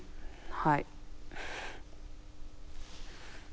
はい。